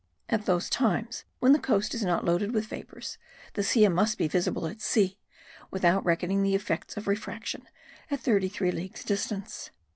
At those times when the coast is not loaded with vapours the Silla must be visible at sea, without reckoning the effects of refraction, at thirty three leagues distance.